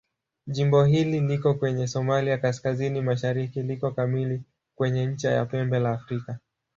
Jimbo hili liko kwenye Somalia kaskazini-mashariki liko kamili kwenye ncha ya Pembe la Afrika.